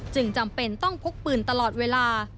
จำเป็นต้องพกปืนตลอดเวลา